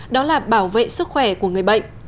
đó là bảo vệ sức khỏe của người bệnh